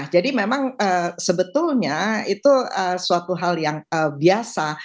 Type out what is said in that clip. jadi memang sebetulnya itu suatu hal yang biasa